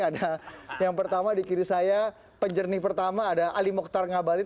ada yang pertama di kiri saya penjernih pertama ada ali mokhtar ngabalin